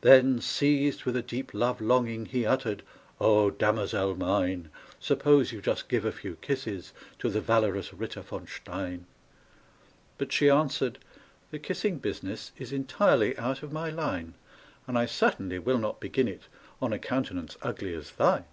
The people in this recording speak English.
Then, seized with a deep love longing, He uttered, "O damosel mine, Suppose you just give a few kisses To the valorous Ritter von Stein!" But she answered, "The kissing business Is entirely out of my line; And I certainly will not begin it On a countenance ugly as thine!"